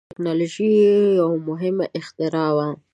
ټلویزیون هم د ټیکنالوژۍ یو مهم اختراع وه.